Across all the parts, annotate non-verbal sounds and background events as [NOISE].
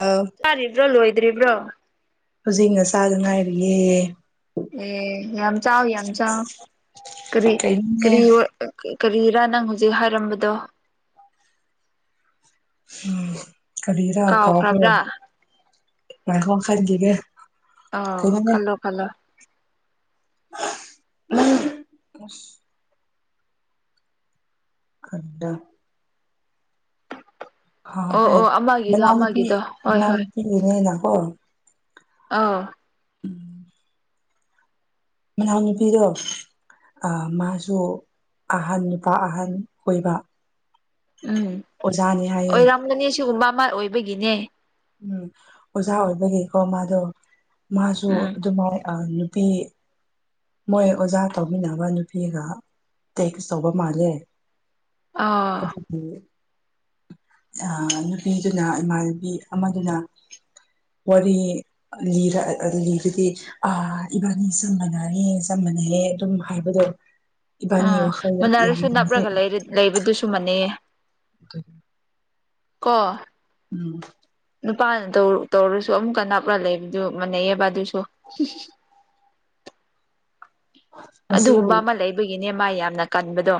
ꯑꯥꯎ ꯆꯥꯔꯤꯕ꯭ꯔꯣ ꯂꯣꯏꯗ꯭ꯔꯤꯕ꯭ꯔꯣ ꯍꯧꯖꯤꯛ ꯉꯁꯒ ꯉꯥꯏꯔꯤꯌꯦ ꯑꯦ ꯌꯥꯝ ꯆꯑꯣ ꯌꯥꯝ ꯆꯑꯣ ꯀꯔꯤ ꯀꯩꯅꯣꯅꯦ ꯀꯔꯤ ꯑꯣ ꯀꯔꯤꯔꯥ ꯅꯪ ꯍꯧꯖꯤꯛ ꯍꯥꯏꯔꯝꯕꯗꯣ ꯎꯝ ꯀꯔꯤꯔꯥ ꯀꯥꯎꯒꯦ ꯀꯥꯎꯈ꯭ꯔꯕ꯭ꯔꯥ ꯉꯥꯏꯌꯣ ꯈꯟꯈꯤꯒꯦ ꯑ ꯀꯩꯅꯣꯅꯦ ꯈꯜꯂꯣ ꯈꯟꯂꯣ [UNINTELLIGIBLE] ꯑꯁ ꯈꯟꯗ ꯑꯣ ꯍꯥꯑꯣꯈꯔ ꯑꯣ ꯑꯃꯒꯤꯗꯣ ꯅꯥꯅꯧꯅꯨꯄꯤ ꯑꯃꯒꯤꯗꯣ ꯍꯣꯏ ꯍꯣꯏ ꯅꯅꯧꯅꯨꯄꯤ ꯅꯦꯅ ꯀꯤ ꯑꯥꯎ ꯎꯝ ꯃꯅꯥꯎꯅꯨꯄꯤꯗꯣ ꯑꯥ ꯃꯥꯁꯨ ꯑꯍꯟ ꯅꯨꯄꯥ ꯑꯍꯟ ꯀꯣꯏꯕ ꯎꯝ ꯑꯣꯖꯥꯅꯤ ꯍꯥꯏꯌꯦ ꯅꯤ ꯁꯤꯒꯨꯝꯕ ꯑꯃ ꯑꯣꯏꯕꯒꯤꯅꯦ ꯎꯝ ꯑꯣꯖꯥ ꯑꯣꯏꯕꯒꯤꯀꯣ ꯃꯥꯗꯣ ꯃꯥꯁꯨ ꯎꯝ ꯑꯗꯨꯃꯥꯏꯅ ꯅꯨꯄꯤ ꯃꯣꯏ ꯑꯣꯖꯥ ꯇꯧꯃꯤꯟꯅꯕ ꯅꯨꯄꯤꯒ ꯇꯦꯛꯁ ꯇꯧꯕ ꯃꯥꯜꯂꯦ ꯑꯥ ꯑꯗꯨꯒꯤ ꯑꯥ ꯅꯨꯄꯤꯗꯨꯅ ꯏꯃꯥꯟꯅꯕꯤ ꯑꯃꯗꯨꯅ ꯋꯥꯔꯤ ꯂꯤꯔ ꯂꯤꯗꯨꯗꯤ ꯑ ꯏꯕꯥꯅꯦꯁꯨ ꯃꯥꯅꯅꯥ ꯌꯦ ꯆꯞꯃꯅꯩꯌꯦ ꯑꯗꯨꯝ ꯍꯥꯏꯕꯗꯣ ꯎꯥ ꯏꯕꯥꯅꯤ ꯋꯥꯈꯜ ꯌꯥꯝ ꯃꯨꯟꯅꯔꯁꯨ ꯃꯥꯟꯅꯩ ꯅꯞꯂꯒ ꯂꯩꯕꯗꯨꯁꯨ ꯃꯅꯤꯌꯦ ꯎ [UNINTELLIGIBLE] ꯀꯣ ꯎꯝ ꯅꯨꯄꯥꯅ ꯇꯧꯔꯨ ꯇꯧꯔꯁꯨ ꯑꯃꯨꯛꯀ ꯅꯞꯂ ꯂꯩꯕꯗꯨ ꯃꯥꯟꯅꯩꯌꯦꯕ ꯑꯗꯨꯏꯁꯨ ꯃꯁꯤꯕꯨ ꯑꯗꯨꯒꯨꯝꯕ ꯑꯃ ꯂꯩꯕꯒꯤꯅꯦ ꯃꯥ ꯌꯥꯝꯅ ꯀꯟꯕꯗꯣ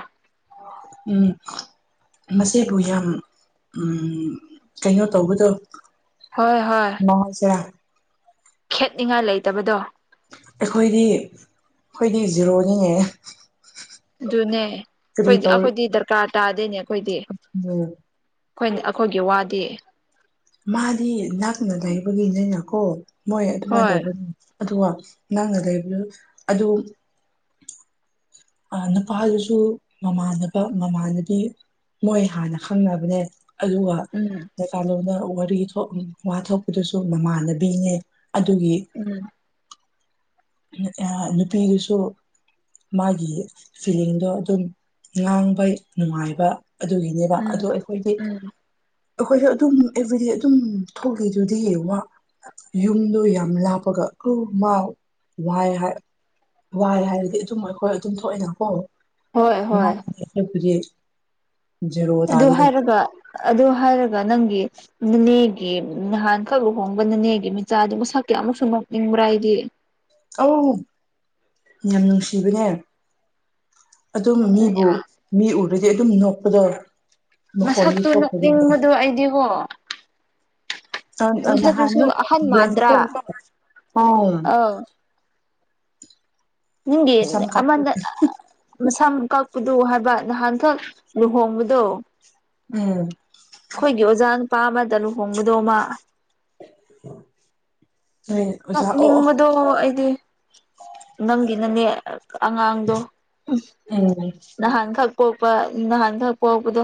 ꯎꯝ ꯃꯁꯤꯕꯨ ꯌꯥꯝ ꯎꯝ ꯀꯩꯅꯣ ꯇꯧꯕꯗꯣ ꯍꯣꯏ ꯍꯣꯏ ꯃꯥꯎ ꯖꯦ ꯈꯦꯠꯅꯤꯡꯉꯥꯏ ꯂꯩꯇꯕꯗꯣ ꯑꯩꯈꯣꯏꯗꯤ ꯑꯩꯈꯣꯏꯗꯤ ꯖꯤꯔꯣꯅꯤꯅꯦ ꯑꯗꯨꯅꯦ ꯀꯔꯤ ꯑꯩꯈꯣꯏꯗꯤ ꯇꯧ ꯑꯩꯈꯣꯏꯗꯤ ꯗꯔꯀꯥꯔ ꯇꯥꯗꯦꯅꯦ ꯑꯩꯈꯣꯏꯗꯤ ꯎꯝ ꯑꯩꯈꯣꯏ ꯑꯩꯈꯣꯏꯒꯤ ꯋꯥꯗꯤ ꯃꯥꯗꯤ ꯅꯛꯅ ꯂꯩꯕꯒꯤꯅꯤꯅꯀꯣ ꯃꯣꯏ ꯑꯗꯨꯃꯥꯏꯅ ꯍꯣꯏ ꯇꯧꯕꯅꯤ ꯑꯗꯨꯒ ꯅꯛꯅ ꯂꯩꯕꯗꯨ ꯑꯗꯨ ꯑꯥ ꯅꯨꯄꯥꯗꯨꯁꯨ ꯃꯃꯥꯟꯅꯕ ꯃꯃꯥꯟꯅꯕꯤ ꯃꯣꯏ ꯍꯥꯟꯅ ꯈꯪꯅꯕꯅꯦ ꯑꯗꯨꯒ ꯎꯝ ꯃꯄꯥꯜꯂꯣꯟꯅ ꯋꯥꯔꯤ ꯊꯣꯛ ꯋꯥ ꯊꯣꯛꯄꯗꯨꯁꯨ ꯃꯃꯥꯟꯅꯕꯤꯅꯦ ꯑꯗꯨꯒꯤ ꯎꯝ ꯑꯥ ꯅꯨꯄꯤꯗꯨꯁꯨ ꯃꯥꯒꯤ ꯐꯤꯂꯤꯡꯗꯣ ꯑꯗꯨꯝ ꯉꯥꯡꯕ ꯅꯨꯡꯉꯥꯏꯕ ꯑꯗꯨꯒꯤꯅꯦꯕ ꯎꯝ ꯑꯗꯣ ꯑꯩꯈꯣꯏꯗꯤ ꯎꯝ ꯑꯩꯈꯣꯏꯁꯨ ꯑꯗꯨꯝ ꯑꯦꯕ꯭ꯔꯤꯗꯦ ꯑꯗꯨꯝ ꯊꯣꯛꯂꯤꯗꯨꯗꯤ ꯋꯥ ꯌꯨꯝꯗꯣ ꯌꯥꯝ ꯂꯥꯞꯄꯒ ꯀꯨ ꯃꯥꯎ ꯋꯥꯏ ꯍꯥꯏ ꯋꯥꯏ ꯍꯥꯏꯔꯗꯤ ꯑꯗꯨꯝ ꯑꯩꯈꯣꯏ ꯑꯗꯨꯝ ꯊꯣꯛꯑꯦꯅꯀꯣ ꯍꯣꯏ ꯍꯣꯏ [UNINTELLIGIBLE] ꯖꯦꯔꯣ ꯑꯗꯨ ꯇꯥꯔꯦꯅꯦ ꯍꯥꯏꯔꯒ ꯑꯗꯨ ꯍꯥꯏꯔꯒ ꯅꯪꯒꯤ ꯅꯥꯅꯦꯒꯤ ꯅꯍꯥꯟ ꯈꯛ ꯂꯨꯍꯣꯡꯕ ꯅꯥꯅꯦꯒꯤ ꯃꯤꯆꯥꯗꯨ ꯃꯁꯛ ꯀꯌꯥꯃꯨꯛꯁꯨ ꯅꯣꯛꯅꯤꯡꯕ꯭ꯔꯥ ꯑꯩꯗꯤ ꯑꯧ ꯌꯥꯝ ꯅꯨꯡꯁꯤꯕꯅꯦ ꯑꯗꯨꯝ ꯃꯤꯕꯨ ꯃꯤ ꯎꯔꯗꯤ ꯑꯗꯨꯝ ꯅꯣꯛꯄꯗꯣ ꯃꯈꯣꯟꯅꯤ ꯃꯁꯛꯇꯨ ꯊꯣꯛꯄꯒꯤꯅꯦ ꯅꯣꯛꯅꯤꯡꯕꯗꯨ ꯑꯩꯗꯤ ꯀꯣ ꯑꯥ ꯅꯍꯥꯟ ꯅꯣꯏ ꯑꯍꯟ ꯕꯦꯁ ꯃꯥꯟꯗ꯭ꯔꯥ [UNINTELLIGIBLE] ꯄꯥꯎ ꯎꯝ ꯑꯧ ꯅꯪꯒꯤ ꯁꯝ ꯀꯥꯞꯄ ꯑꯃꯗ ꯑꯥ ꯃꯁꯝ ꯀꯛꯄꯗꯨ ꯍꯥꯏꯕ ꯅꯍꯥꯟꯈꯛ ꯂꯨꯍꯣꯡꯕꯗꯣ ꯎꯝ ꯑꯩꯈꯣꯏꯒꯤ ꯑꯣꯖꯥ ꯅꯨꯄꯥ ꯑꯃꯗ ꯂꯨꯍꯣꯡꯕꯗꯣ ꯃꯥ [INAUDIBLE] ꯅꯣꯏ ꯑꯣꯖꯥ ꯑꯣ ꯅꯣꯛꯅꯤꯡꯕꯗꯣ ꯑꯩꯗꯤ ꯅꯪꯒꯤ ꯅꯥꯅꯦ ꯑꯉꯥꯡꯗꯣ ꯎꯝ ꯅꯍꯥꯟꯈꯛ ꯄꯣꯛꯄ ꯅꯍꯥꯟꯈꯛ ꯄꯣꯛꯄꯗꯣ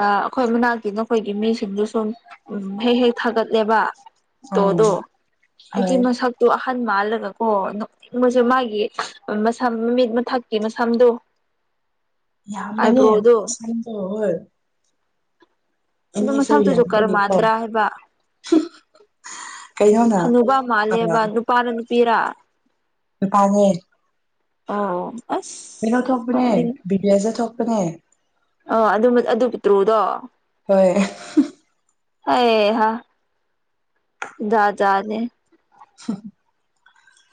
ꯑ ꯑꯩꯈꯣꯏ ꯃꯅꯥꯛꯀꯤ ꯅꯈꯣꯏꯒꯤ ꯃꯤꯁꯤꯡꯗꯨ ꯁꯨꯝ ꯎꯝ ꯍꯦꯛ ꯍꯦꯛ ꯊꯥꯒꯠꯂꯦꯕ ꯑꯥꯎ ꯐꯣꯇꯣꯗꯣ ꯑꯩꯗꯤ ꯃꯁꯛꯇꯣ ꯅꯍꯟ ꯃꯥꯜꯂꯒꯀꯣ [UNINTELLIGIBLE] ꯃꯥꯒꯤ ꯃꯁꯝ ꯃꯤꯠ ꯃꯊꯛꯀꯤ ꯃꯁꯝꯗꯣ ꯌꯥꯝꯕꯅꯦ ꯑꯥꯏꯕ꯭ꯔꯣꯗꯣ ꯁꯝꯗꯣ ꯍꯣꯏ ꯑꯗꯣ ꯏꯅꯦꯁꯨ ꯃꯁꯥꯛꯇꯨ ꯖꯣꯀꯔ ꯌꯥꯝꯕꯒꯤꯀꯣ ꯃꯥꯟꯗ꯭ꯔꯥ ꯍꯥꯏꯕ ꯀꯩꯅꯣꯅ ꯍꯟꯅꯨꯕ ꯑ ꯃꯥꯜꯂꯦꯕ ꯅꯨꯄꯥꯔ ꯅꯨꯄꯤꯔꯥ ꯅꯨꯄꯥꯅꯦ ꯑꯥ ꯀꯩꯅꯣ ꯊꯣꯛꯄꯅꯦ [UNINTELLIGIBLE] ꯊꯣꯛꯄꯅꯦ ꯑꯥ ꯑꯗꯨ ꯑꯗꯨ ꯄꯤꯇ꯭ꯔꯨꯗꯣ ꯍꯣꯏ ꯍꯩ ꯍꯥ ꯖꯥꯠ ꯖꯥꯠꯅꯦ [UNINTELLIGIBLE]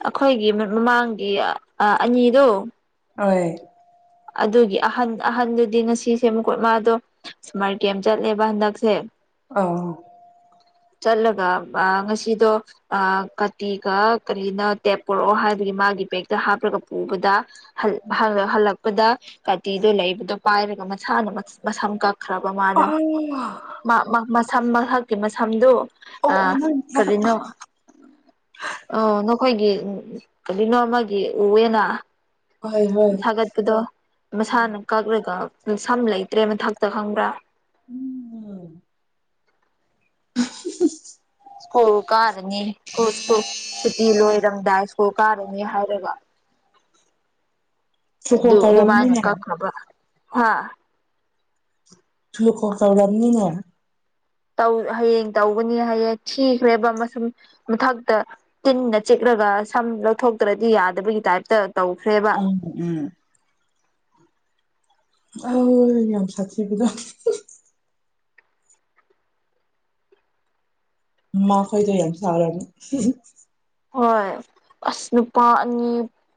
ꯑꯩꯈꯣꯏꯒꯤ ꯃꯃꯥꯡꯒꯤ ꯑꯥ ꯑꯅꯤꯗꯣ ꯍꯣꯏ ꯑꯗꯨꯒꯤ ꯑꯍꯟ ꯑꯍꯟꯗꯨꯗꯤ ꯉꯁꯤꯁꯦ ꯃꯈꯨꯀꯨꯠ ꯃꯥ ꯑꯗꯣ ꯁꯨꯃꯥꯔ ꯀꯦꯝ ꯆꯠꯂꯦꯕ ꯍꯟꯗꯛꯁꯦ ꯑꯧ ꯆꯠꯂꯒ [UNINTELLIGIBLE] ꯉꯁꯤꯗꯣ ꯑꯥ ꯀꯥꯇꯤꯒ ꯀꯔꯤꯅꯣ ꯇꯦꯞ ꯄꯨꯔꯛꯑꯣ ꯍꯥꯏꯕꯒꯤ ꯃꯥꯒꯤ ꯕꯦꯛꯇ ꯍꯥꯞꯂꯒ ꯄꯨꯕꯗ ꯍꯜ ꯍꯜ ꯍꯜꯂꯛꯄꯗ ꯀꯥꯇꯤꯗꯨ ꯂꯩꯕꯗꯨ ꯄꯥꯏꯔꯒ ꯃꯁꯥꯅ [UNINTELLIGIBLE] ꯃꯁꯝ ꯀꯛ ꯈ꯭ꯔꯕ ꯃꯥꯗꯣ ꯑꯣ ꯃꯥ ꯃꯥ ꯃꯁꯝ ꯃꯊꯛꯀꯤ ꯃꯁꯝꯗꯨ ꯑꯣ ꯑꯥ ꯅꯪ ꯀꯔꯤꯅꯣ ꯑꯣ ꯅꯈꯣꯏꯒꯤ [UNINTELLIGIBLE] ꯀꯔꯤꯅꯣꯃꯒꯤ ꯎꯋꯦꯅ ꯍꯣꯏ ꯍꯣꯏ ꯁꯥꯒꯠꯄꯗꯣ ꯎꯝ ꯃꯁꯥꯅ ꯀꯛꯂꯒ ꯁꯝ ꯂꯩꯇ꯭ꯔꯦ ꯃꯊꯛꯇ ꯈꯪꯕ꯭ꯔꯥ [UNINTELLIGIBLE] [UNINTELLIGIBLE] ꯁ꯭ꯀꯨꯜ ꯀꯥꯔꯅꯤ ꯁ꯭ꯀꯨꯜ ꯁ꯭ꯀꯨꯜ ꯁꯨꯇꯤ ꯂꯣꯏꯔꯝꯗꯥꯏ ꯁ꯭ꯀꯨꯜ ꯀꯥꯔꯅꯤ ꯍꯥꯏꯔꯒ ꯁꯨꯀꯣ ꯑꯗꯨ ꯑꯗꯨꯃꯥꯏꯅ ꯇꯧꯔꯝꯅꯤꯅꯦ ꯀꯛꯅꯕ ꯍꯥ [UNINTELLIGIBLE] ꯇꯧꯔꯝꯅꯤꯅꯦ ꯇꯧ ꯍꯌꯦꯡ ꯇꯧꯒꯅꯤ ꯍꯥꯏꯌꯦ ꯊꯤꯈ꯭ꯔꯦꯕ ꯃꯁꯝ ꯃꯊꯛꯇ ꯇꯤꯟꯅ ꯆꯤꯛꯂꯒ ꯁꯝ ꯂꯧꯊꯣꯛꯇ꯭ꯔꯗꯤ ꯌꯥꯗꯕꯒꯤ ꯇꯥꯏꯞꯇ ꯇꯧꯈ꯭ꯔꯦ [UNINTELLIGIBLE] [UNINTELLIGIBLE] ꯎꯝ ꯑꯧ ꯌꯥꯝ ꯁꯥꯊꯤꯕꯗꯣ ꯃꯈꯣꯏꯗꯣ ꯌꯥꯝ ꯁꯥꯎꯔꯝ ꯍꯣꯏ ꯑꯁ ꯅꯨꯄꯥ ꯑꯅꯤ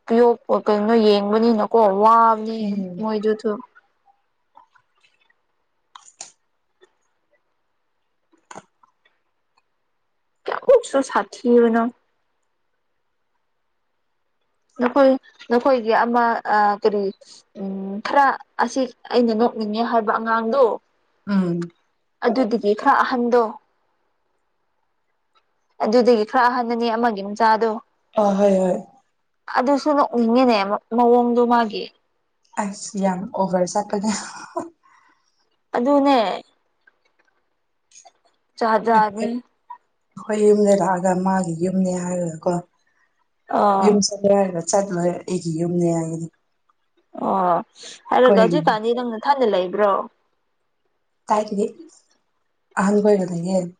ꯄꯤꯌꯣꯛꯄ ꯀꯩꯅꯣ ꯌꯦꯡꯕꯅꯤꯅꯀꯣ ꯋꯥ ꯅꯤ ꯎꯝ ꯃꯣꯏꯗꯨꯊꯨ [UNINTELLIGIBLE] ꯁꯥꯊꯤꯕꯅ ꯅꯈꯣꯏ ꯅꯈꯣꯏꯒꯤ ꯑꯃ ꯑꯥ ꯀꯔꯤ ꯎꯝ ꯈꯔ ꯑꯁꯤ ꯑꯩꯅ ꯅꯣꯛꯅꯤꯡꯉꯦ ꯍꯥꯏꯕ ꯑꯉꯥꯡꯗꯨ ꯎꯝ ꯑꯗꯨꯗꯨꯒꯤ ꯈꯔ ꯑꯍꯟꯗꯣ ꯑꯗꯨꯗꯒꯤ ꯈꯔ ꯑꯍꯟꯅꯅꯤ ꯑꯃꯒꯤ ꯃꯆꯥꯗꯨ ꯑꯥ ꯍꯣꯏ ꯍꯣꯏ ꯑꯗꯨꯁꯨ [UNINTELLIGIBLE] ꯎꯅꯤꯡꯉꯦꯅꯦ ꯃ ꯃꯑꯣꯡꯗꯣ ꯃꯥꯒꯤ ꯑꯁ ꯌꯥꯝ ꯑꯣꯚꯔ ꯆꯠꯄꯅꯦ ꯑꯗꯨꯅꯦ ꯖꯥꯠ [UNINTELLIGIBLE] ꯖꯥꯠꯅꯤ ꯑꯩꯈꯣꯏ ꯌꯨꯝꯗ ꯂꯥꯛꯑꯒ ꯃꯥꯒꯤ ꯌꯨꯝꯅꯦ ꯍꯥꯏꯔꯒꯀꯣ ꯑꯥ ꯌꯨꯝ [UNINTELLIGIBLE] ꯆꯠꯂꯣꯏ ꯑꯩꯒꯤ ꯌꯨꯝꯅꯦ ꯍꯥꯏꯒꯅꯤ ꯑꯣ ꯑꯗꯨꯗꯣ ꯑꯩꯈꯣꯏ ꯑꯗꯨꯀꯥꯟꯗꯤ ꯅꯪ ꯅꯊꯟꯗ ꯂꯩꯕ꯭ꯔꯣ [UNINTELLIGIBLE] ꯑꯍꯟꯕ ꯑꯣꯏꯅ [UNINTELLIGIBLE]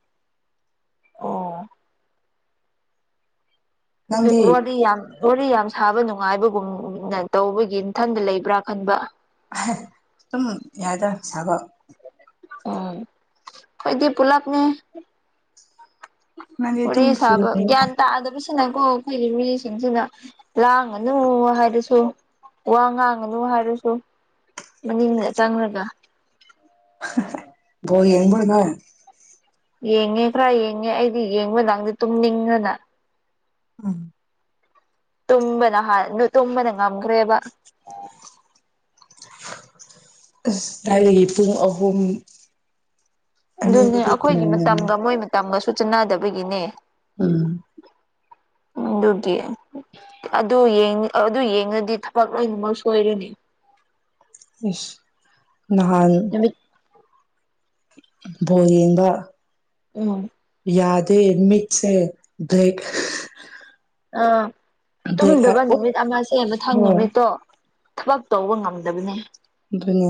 ꯑꯣ ꯅꯪꯗꯤ [UNINTELLIGIBLE] ꯋꯥꯗꯤ ꯌꯥꯝ ꯋꯥꯔꯤ ꯌꯥꯝ ꯁꯥꯕ ꯅꯨꯡꯉꯥꯏꯕꯒꯨꯝꯅ ꯇꯧꯕꯒꯤ ꯅꯊꯟꯗ ꯂꯩꯕ꯭ꯔꯥ ꯈꯟꯕ [UNINTELLIGIBLE] ꯁꯨꯝ [UNINTELLIGIBLE] ꯁꯥꯕ ꯎꯝ ꯈꯣꯏꯗꯤ ꯄꯨꯂꯞꯅꯤ꯫ ꯅꯪꯗꯤ ꯋꯥꯔꯤ ꯑꯗꯨꯝ ꯐ꯭ꯔꯤ ꯁꯥꯕ ꯂꯩꯌꯦꯅ ꯒ꯭ꯌꯥꯟ ꯇꯥꯗꯕꯁꯤ ꯁꯤꯅꯀꯣ ꯑꯩꯈꯣꯏꯒꯤ ꯃꯤꯁꯤꯡꯁꯤꯅ ꯂꯥꯡꯉꯅꯨ ꯍꯥꯏꯗꯨꯁꯨ ꯋꯥ ꯉꯥꯡꯉꯅꯨ ꯍꯥꯏꯔꯁꯨ ꯃꯅꯤꯡꯗ ꯆꯪꯉꯒ ꯕꯣꯜ ꯌꯦꯡꯕ꯭ꯔꯣ ꯅꯣꯏ? ꯌꯦꯡꯉꯦ ꯈꯔ ꯌꯦꯡꯉꯦ ꯑꯩꯗꯤ ꯌꯦꯡꯕꯗꯪꯗꯤ ꯇꯨꯝꯅꯤꯡꯗꯅ ꯎꯝ ꯇꯨꯝꯕꯅ ꯍꯥꯟ ꯗꯨ ꯇꯨꯝꯕꯅ ꯉꯝꯈ꯭ꯔꯦꯕ꯫ ꯑꯁ ꯊꯥꯏꯅꯒꯤ ꯄꯨꯡ ꯑꯍꯨꯝ ꯑꯗꯨꯅꯦ ꯑꯅꯤꯗꯗꯤ ꯀꯅꯥ ꯑꯈꯣꯏꯒꯤ ꯉꯝꯅꯤ ꯃꯇꯝꯒ ꯃꯣꯏ ꯃꯇꯝꯒꯁꯨ ꯆꯅꯗꯕꯒꯤꯅꯦ꯫ ꯎꯝ ꯎꯝ ꯗꯨꯕꯨꯗꯤ ꯑꯗꯨ ꯌꯦꯡ ꯑꯗꯨ ꯌꯦꯡꯉꯗꯤ ꯊꯕꯛ ꯂꯣꯏꯅꯃꯛ ꯁꯣꯏꯔꯅꯤ꯫ ꯏꯁ ꯅꯍꯥꯟ ꯅꯨꯃꯤꯠ ꯕꯣꯜ ꯌꯦꯡꯕꯥ ꯎꯝ ꯌꯥꯗꯦ ꯃꯤꯠꯁꯦ ꯕ꯭ꯂꯦꯛ ꯑꯥ ꯕ꯭ꯂꯦꯛ ꯇꯨꯝꯗꯕ ꯑꯣꯏ ꯅꯨꯃꯤꯠ ꯑꯃꯁꯦ ꯃꯊꯪ ꯍꯣꯏ ꯅꯨꯃꯤꯠꯇꯣ ꯊꯕꯛ ꯇꯧꯕ ꯉꯝꯗꯕꯅꯦ ꯑꯗꯨꯅꯦ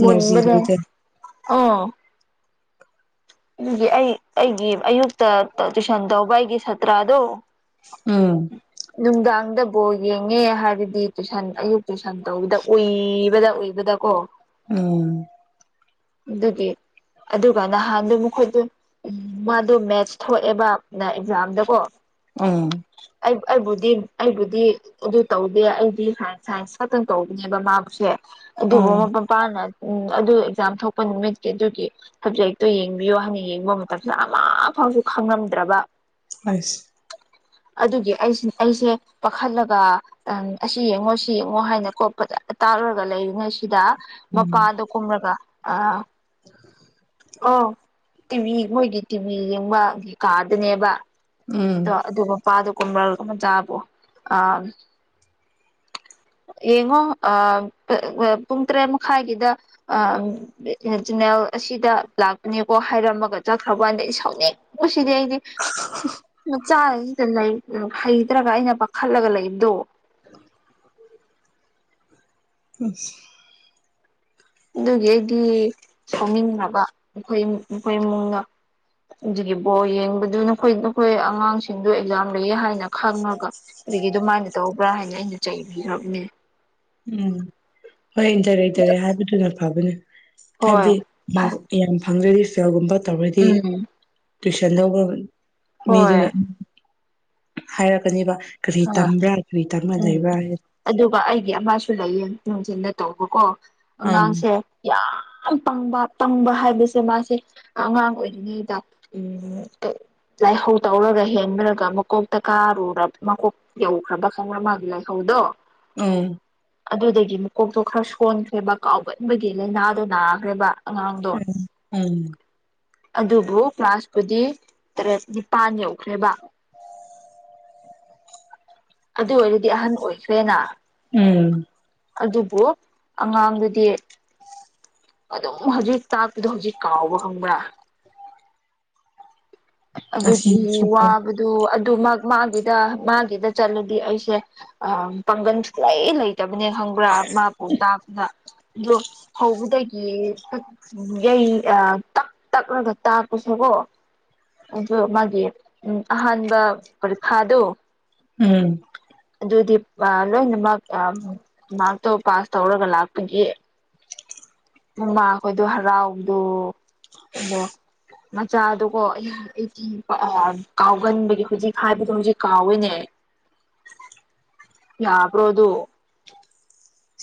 ꯏꯅꯔꯖꯤ ꯂꯩꯇꯦ ꯑꯣ ꯑꯩꯒꯤ ꯑꯩ ꯑꯩꯒꯤ ꯑꯌꯨꯛꯇ ꯇꯨꯏꯁꯟ ꯇꯧꯕ ꯑꯩꯒꯤ ꯁꯥꯇ꯭ꯔꯗꯣ ꯎꯝ ꯅꯨꯡꯗꯥꯡꯗ ꯕꯣꯜ ꯌꯦꯡꯉꯦ ꯍꯥꯏꯕꯒꯤ ꯇꯨꯏꯁꯟ ꯑꯌꯨꯛ ꯇꯨꯏꯁꯟ ꯇꯧꯕꯗ ꯎꯏꯕꯗ ꯎꯏꯕꯗ ꯀꯣ ꯎꯝ ꯑꯗꯨꯒꯤ ꯑꯗꯨꯒ ꯅꯍꯥꯟꯗꯣ ꯃꯈꯣꯏꯗꯣ ꯎꯝ ꯃꯥꯗꯣ ꯃꯦꯠꯁ ꯊꯣꯛꯑꯦꯕ ꯑꯦꯛꯖꯥꯝꯗꯀꯣ ꯎꯝ ꯑꯩ ꯑꯩꯕꯨꯗꯤ ꯑꯩꯕꯨꯗꯤ ꯑꯗꯨ ꯇꯧꯗꯦ ꯑꯩꯗꯤ ꯁꯥꯏꯟꯁ ꯁꯥꯏꯟꯁ ꯈꯛꯇꯪ ꯇꯧꯕꯅꯦꯕ ꯃꯥꯁꯦ ꯎꯝ ꯑꯗꯨꯕꯝ ꯄꯥꯅ ꯎꯝ ꯑꯗꯨ ꯑꯦꯛꯖꯥꯝ ꯊꯣꯛꯄ ꯅꯨꯃꯤꯠꯀꯤ ꯑꯗꯨꯒꯤ ꯁꯕꯖꯦꯛꯇꯣ ꯌꯦꯡꯕꯤꯌꯣ ꯍꯥꯏꯅ ꯌꯦꯡꯕ ꯃꯇꯝꯗꯥ ꯑꯃ ꯐꯥꯎꯁꯨ ꯈꯪꯉꯝꯗ꯭ꯔꯕ꯫ ꯑꯁ ꯑꯗꯨꯒꯤ ꯑꯩꯁꯤ ꯑꯩꯁꯦ ꯄꯥꯈꯠꯂꯒ ꯑ ꯑꯁꯤ ꯌꯦꯡꯉꯣ ꯁꯤ ꯌꯦꯡꯉꯣ ꯍꯥꯏꯅ ꯀꯣ ꯐꯖ ꯇꯥꯛꯔꯒ ꯂꯩꯔꯤꯉꯩ ꯁꯤꯗ ꯎꯝ ꯃꯄꯥꯗꯣ ꯀꯨꯝꯔꯒ ꯑ ꯑꯣ ꯇꯤꯚꯤ ꯃꯣꯏꯒꯤ ꯇꯤꯚꯤ ꯌꯦꯡꯕꯒꯤ ꯀꯥꯗꯨꯅꯦꯕ ꯎꯝ ꯇꯧꯕꯗꯣ ꯑꯗꯨ ꯃꯄꯥꯗꯣ ꯀꯨꯝꯕ ꯃꯆꯥꯕꯨ ꯑꯥ ꯌꯦꯡꯉꯣ ꯑꯥ ꯄꯨꯡ ꯇꯔꯦꯠ ꯃꯈꯥꯏꯒꯤꯗ ꯑꯥ ꯆꯦꯅꯦꯜ ꯑꯁꯤꯗ ꯂꯥꯛꯄꯅꯦꯀꯣ ꯍꯥꯏꯔꯝꯃꯒ ꯆꯠꯈ꯭ꯔꯕꯥꯟꯗ ꯑꯩꯁꯧꯅꯤꯡ ꯕꯁꯤꯗꯤ ꯑꯩꯗꯤ ꯃꯆꯥꯁꯤꯗ ꯂꯩ ꯍꯩꯇ꯭ꯔꯒ ꯑꯩꯅ ꯄꯥꯈꯠꯂꯒ ꯂꯩꯕꯗꯣ ꯑꯁ ꯑꯗꯨꯒꯤ ꯑꯩꯗꯤ ꯁꯥꯎꯅꯤꯡꯅꯕ ꯃꯈꯣꯏ ꯏꯃꯨꯡ ꯃꯈꯣꯏ ꯏꯃꯨꯡꯅ꯫ ꯑꯗꯨꯒꯤ ꯕꯣꯜ ꯌꯦꯡꯕꯗꯨ ꯅꯈꯣꯏ ꯅꯈꯣꯏ ꯑꯉꯥꯡꯁꯤꯡꯗꯨ ꯑꯦꯛꯖꯥꯝ ꯂꯩꯌꯦ ꯍꯥꯏꯅ ꯈꯪꯉꯒ ꯑꯗꯨꯒꯤ ꯑꯗꯨꯃꯥꯏꯅ ꯇꯧꯕ꯭ꯔꯥ ꯍꯥꯏꯅ ꯑꯩꯅ ꯆꯩꯕꯤꯈ꯭ꯔꯕꯅꯦ ꯎꯝ ꯍꯣꯏ ꯗꯥꯢꯔꯦꯛ ꯗꯥꯢꯔꯦꯛ ꯍꯥꯏꯕꯗꯨꯅ ꯐꯕꯅꯦ ꯍꯣꯏ ꯍꯥꯏꯕꯗꯤ ꯃꯥꯔꯛ ꯇꯦꯟ ꯐꯪꯗ꯭ꯔꯗꯤ ꯐꯦꯜꯒꯨꯝꯕ ꯇꯧꯔꯗꯤ ꯎꯝ ꯇꯨꯏꯁꯟ ꯂꯧꯕ ꯍꯣꯏ ꯃꯤꯗꯨꯅ ꯍꯥꯏꯔꯛꯀꯅꯤꯕ ꯀꯔꯤ ꯍꯣꯏ ꯇꯝꯕ꯭ꯔꯥ ꯀꯔꯤ ꯇꯝꯃ ꯎꯝ ꯂꯩꯕ꯭ꯔꯥ ꯍꯥꯏꯅ ꯑꯗꯨꯒ ꯑꯩꯒꯤ ꯑꯃꯁꯨ ꯂꯩꯌꯦ ꯅꯨꯡꯊꯤꯟꯗ ꯇꯧꯕꯀꯣ ꯑꯪ ꯑꯉꯥꯡꯁꯦ ꯌꯥꯝ ꯄꯪꯕ ꯄꯪꯕ ꯍꯥꯏꯕꯁꯦ ꯃꯥꯁꯦ ꯑꯉꯥꯡ ꯑꯣꯏꯔꯤꯉꯩꯗ ꯎꯝ ꯀꯩ ꯂꯥꯏꯍꯧ ꯇꯧꯔꯒ ꯍꯦꯟꯔꯀ ꯃꯀꯣꯛꯇ ꯀꯥꯔꯨꯔꯕ ꯃꯀꯣꯛ ꯌꯧꯈ꯭ꯔꯕ ꯈꯪꯕ꯭ꯔ ꯃꯥꯒꯤ ꯂꯥꯏꯍꯧꯗꯣ ꯎꯝ ꯑꯗꯨꯗꯨꯒꯤ ꯃꯀꯣꯛꯇꯣ ꯈꯔ ꯁꯣꯟꯈ꯭ꯔꯦꯕ ꯀꯥꯎꯒꯟꯕꯒꯤ ꯂꯥꯏꯅꯥꯗꯣ ꯅꯥꯈ꯭ꯔꯦꯕ ꯑꯉꯥꯡ ꯎꯝ ꯎꯝ ꯑꯗꯨꯕꯨ ꯀ꯭ꯂꯥꯁꯄꯨꯗꯤ ꯇꯔꯦꯠ ꯅꯤꯄꯥꯟ ꯌꯧꯈ꯭ꯔꯦꯕ ꯑꯗꯨ ꯑꯣꯏꯔꯗꯤ ꯑꯍꯟ ꯑꯣꯏꯈ꯭ꯔꯦꯅ ꯎꯝ ꯑꯗꯨꯕꯨ ꯑꯉꯥꯡꯗꯨꯗꯤ ꯑꯗꯨꯝ ꯍꯧꯖꯤꯛ ꯇꯥꯛꯄꯗꯣ ꯍꯧꯖꯤꯛ ꯀꯥꯎꯕ ꯈꯪꯕ꯭ꯔꯥ ꯑꯗꯨꯒꯤ ꯑꯁꯤꯁꯨ ꯋꯥꯕ ꯑꯗꯨ ꯑꯗꯨꯃꯛ ꯃꯥꯒꯤꯗ ꯃꯥꯒꯤꯗ ꯆꯠꯂꯗꯤ ꯑꯩꯁꯦ ꯑꯥ ꯄꯥꯡꯒꯜ ꯁꯨꯡꯂꯩ ꯂꯩ ꯂꯩꯇꯕꯅꯦ ꯈꯪꯕ꯭ꯔꯥ ꯃꯥꯕꯨ ꯇꯥꯛꯄꯗ ꯑꯗꯣ ꯍꯧꯕꯗꯒꯤ ꯈꯥꯛ ꯌꯩ ꯑꯥ ꯇꯛ ꯇꯛꯂꯒ ꯇꯥꯛꯄꯁꯨꯀꯣ ꯑꯗꯨ ꯃꯥꯒꯤ ꯑꯍꯥꯟꯕ ꯄꯔꯤꯈꯥꯗꯨ ꯎꯝ ꯑꯗꯨꯗꯤ ꯂꯣꯏꯅꯃꯛ ꯃꯥꯔꯛꯇꯣ ꯄꯥꯁ ꯇꯧꯔꯒ ꯂꯥꯛꯄꯒꯤ ꯃꯃꯥꯈꯣꯏꯗꯣ ꯍꯔꯥꯎꯕꯗꯣ ꯑꯗꯣ ꯃꯆꯥꯗꯨꯀꯣ ꯑꯩ ꯑꯩꯗꯤ ꯑꯥ ꯀꯥꯎꯒꯟꯕꯒꯤ ꯍꯧꯖꯤꯛ ꯍꯥꯏꯕꯗꯣ ꯍꯧꯖꯤꯛ ꯀꯥꯎꯋꯤꯅꯦ ꯌꯥꯕ꯭ꯔꯣ ꯑꯗꯨ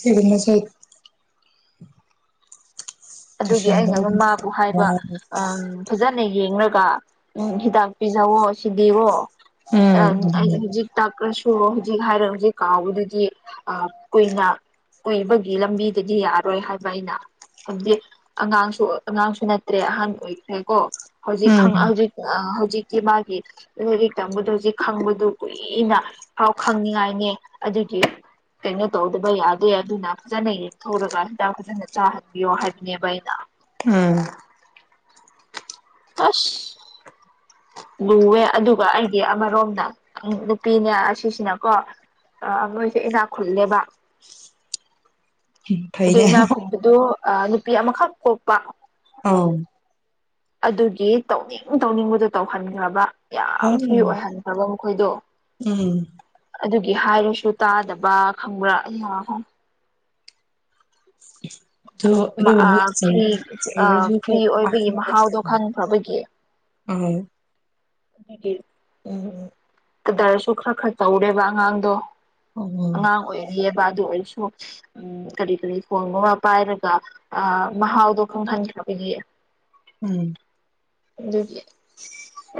ꯁꯤꯃꯤꯟꯅꯁꯦ ꯑꯗꯨꯒꯤ ꯇꯨꯏꯁꯟ ꯑꯩꯅ ꯂꯧꯕꯁꯦ ꯃꯕꯨ ꯍꯥꯏꯕ ꯋꯥꯕ ꯑꯝ ꯐꯖꯅ ꯌꯦꯡꯂꯒ ꯎꯝ ꯍꯤꯗꯥꯛ ꯄꯤꯖꯧꯋꯣ ꯁꯤꯗꯤꯒꯣ ꯑꯥ ꯑꯩ ꯑꯗꯨꯅ ꯍꯧꯖꯤꯛ ꯇꯥꯛ ꯀꯩꯁꯨ ꯍꯧꯖꯤꯛ ꯍꯥꯏꯔ ꯍꯧꯖꯤꯛ ꯀꯥꯎꯕꯗꯨꯗꯤ ꯑꯥ ꯀꯨꯏꯅ ꯀꯨꯏꯕꯒꯤ ꯂꯝꯕꯤꯗꯗꯤ ꯌꯥꯔꯣꯏ ꯍꯥꯏꯕ ꯑꯩꯅ ꯍꯥꯏꯕꯗꯤ ꯑꯉꯥꯡꯁꯨ ꯑꯉꯥꯡꯁꯨ ꯅꯠꯇ꯭ꯔꯦ ꯑꯍꯟ ꯑꯣꯏꯈ꯭ꯔꯦ ꯀꯣ ꯍꯧꯖꯤꯛ ꯍꯧꯖꯤꯛ ꯑꯥ ꯍꯧꯖꯤꯛꯇꯤ ꯃꯥꯒꯤ ꯂꯥꯏꯔꯤꯛ ꯇꯝꯕꯗꯣ ꯍꯧꯖꯤꯛ ꯈꯪꯕꯗꯨ ꯀꯨꯏꯅ ꯐꯥꯎ ꯈꯪꯅꯤꯡꯉꯥꯏꯅꯤ ꯑꯗꯨꯒꯤ ꯀꯩꯅꯣ ꯇꯧꯗꯕ ꯌꯥꯗꯦ ꯑꯗꯨꯅ ꯐꯖꯅ ꯌꯦꯛꯊꯣꯔꯒ ꯍꯤꯗꯥꯛ ꯐꯖꯅ ꯆꯥꯍꯟꯕꯤꯌꯣ ꯍꯥꯏꯕ ꯍꯥꯏꯕꯅꯦꯕ ꯑꯩꯅ ꯎꯝ ꯑꯁ ꯂꯨꯋꯦ ꯑꯗꯨꯒ ꯑꯩꯗꯤ ꯑꯃꯔꯣꯝꯗ ꯅꯨꯄꯤꯅꯦ ꯑꯁꯤꯁꯤꯅꯀꯣ ꯑꯥ ꯃꯣꯏꯁꯦ ꯏꯅꯥꯛ ꯈꯨꯜꯂꯦꯕ ꯑꯗꯨ ꯐꯩꯅꯦ ꯏꯅꯥꯈꯨꯟꯕꯗꯨ ꯑꯥ ꯅꯨꯄꯤ ꯑꯃꯈꯛ ꯄꯣꯛꯄ ꯑꯥꯎ ꯑꯗꯨꯒꯤ ꯇꯧꯅꯤꯡ ꯇꯧꯅꯤꯡꯕꯗꯣ ꯇꯧꯍꯟꯈ꯭ꯔꯕ ꯌꯥꯝ ꯐ꯭ꯔꯤ ꯑꯣꯏꯍꯟꯈ꯭ꯔꯕ ꯃꯈꯣꯏꯗꯣ ꯎꯝ ꯑꯗꯨꯒꯤ ꯍꯥꯏꯔꯁꯨ ꯇꯥꯗꯕ ꯈꯪꯕ꯭ꯔꯥ ꯑꯩꯌꯥ ꯑꯗꯨ ꯑꯗꯨꯒꯨꯝꯕꯗꯣ ꯆꯩ ꯐ꯭ꯔꯤ ꯆꯩꯔꯁꯨꯀꯣ ꯐ꯭ꯔꯤ ꯑꯣꯏꯕꯒꯤ ꯄꯥꯛꯅ ꯃꯍꯥꯎꯗꯣ ꯈꯪꯈ꯭ꯔꯕꯒꯤ ꯑꯧ ꯎꯝ ꯀꯗꯔꯁꯨ ꯈꯔ ꯈꯔ ꯇꯧꯔꯦꯕ ꯑꯉꯥꯡꯗꯣ ꯑꯣ ꯑꯉꯥꯡ ꯑꯣꯏꯔꯤꯑꯦꯕ ꯑꯗꯨ ꯑꯣꯏꯔꯁꯨ ꯎꯝ ꯀꯔꯤ ꯀꯔꯤ ꯐꯣꯟꯒꯨꯝꯕ ꯄꯥꯏꯔꯒ ꯑ ꯃꯍꯥꯎꯗꯣ ꯈꯪꯍꯟꯈ꯭ꯔꯕꯒꯤ ꯎꯝ ꯑꯗꯨꯒꯤ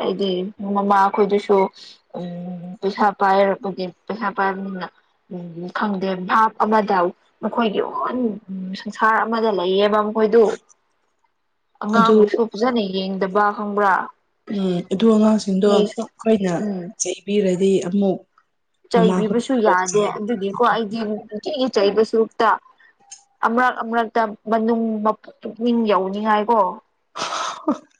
ꯑꯩꯗꯤ ꯃꯃꯥ ꯈꯣꯏꯗꯨꯁꯨ ꯎꯝ ꯄꯩꯁꯥ ꯄꯥꯏꯔꯕꯒꯤ ꯄꯩꯁꯥ ꯄꯥꯏꯕꯅꯤꯅ ꯎꯝ ꯈꯪꯗꯦ ꯚꯥꯞ ꯑꯃꯗ ꯃꯈꯣꯏꯒꯤ ꯑꯣꯟ ꯁꯪꯁꯥꯔ ꯑꯃꯗ ꯂꯩꯌꯦꯕ ꯃꯣꯏꯗꯨ ꯑꯗꯨ ꯑꯉꯥꯡꯕꯨꯁꯨ ꯐꯖꯅ ꯌꯦꯡꯗꯕ ꯈꯪꯕ꯭ꯔꯥ ꯎꯝ ꯑꯗꯨ ꯑꯉꯥꯡꯁꯤꯡꯗꯣ ꯐꯤꯁꯨ ꯈꯣꯏꯅ ꯎꯝ ꯆꯩꯕꯤꯔꯗꯤ ꯑꯃꯨꯛ ꯆꯩꯕꯤꯕꯁꯨ ꯃꯃꯥꯈꯣꯏꯗꯀꯣ ꯌꯥꯗꯦ ꯑꯗꯨꯒꯤꯀꯣ ꯑꯩꯗꯤ ꯅꯨꯡꯇꯤꯒꯤ ꯆꯩꯕ ꯁꯔꯨꯛꯇ ꯑꯃꯔꯛ ꯑꯃꯔꯛꯇ ꯃꯅꯨꯡ ꯄꯨꯛꯅꯤꯡ ꯌꯧꯅꯤꯡꯉꯥꯏꯀꯣ [INAUDIBLE]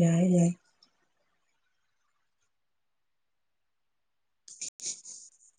ꯌꯥꯏ ꯌꯥꯏ [INAUDIBLE]